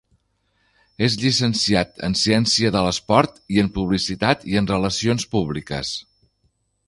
És llicenciat en Ciència de l'Esport i en Publicitat i Relacions públiques.